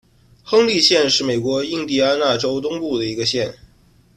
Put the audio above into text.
亨利县是美国印地安纳州东部的一个县。